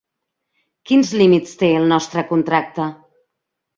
Quins límits té el nostre contracte?